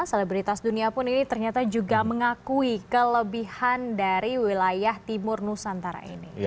selebritas dunia pun ini ternyata juga mengakui kelebihan dari wilayah timur nusantara ini